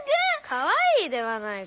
かわいいではないか。